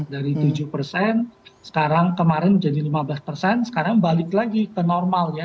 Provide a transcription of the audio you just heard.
dari tujuh sekarang kemarin jadi lima belas sekarang balik lagi ke normal ya